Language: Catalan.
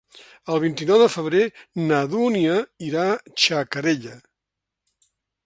El vint-i-nou de febrer na Dúnia irà a Xacarella.